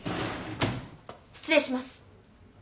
失礼します。